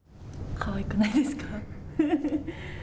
かわいくないですか。